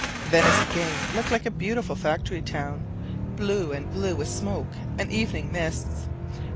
Venice again looked like a beautified factory town, blue and blue with smoke and evening mists.